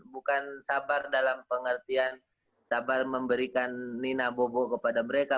bukan sabar dalam pengertian sabar memberikan nina bobo kepada mereka